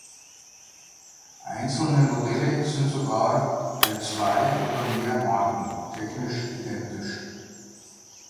Einzelne Modelle sind sogar bei zwei oder mehr Marken technisch identisch.